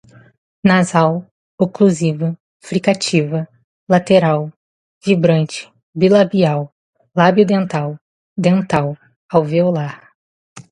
Nasal, oclusiva, fricativa, lateral, vibrante, bilabial, labio-dental, dental, alveolar